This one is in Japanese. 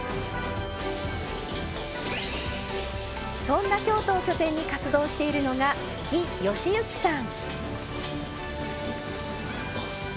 そんな京都を拠点に活動しているのが魏禧之さん。